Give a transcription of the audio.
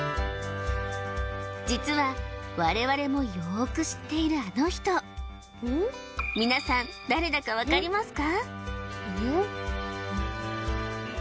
実は我々もよーく知っているあの人皆さん誰だか分かりますか？